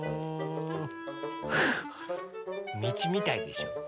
みちみたいでしょ？